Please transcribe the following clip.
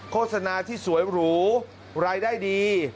โฆษณาที่สวยหรูรายได้ดี